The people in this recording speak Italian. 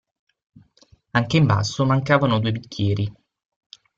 Anche in basso mancavano due bicchieri.